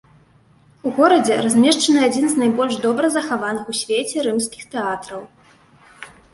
У горадзе размешчаны адзін з найбольш добра захаваных у свеце рымскіх тэатраў.